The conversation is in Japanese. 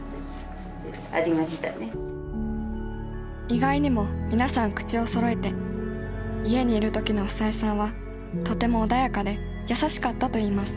意外にも皆さん口をそろえて家にいる時の房枝さんはとても穏やかで優しかったと言います。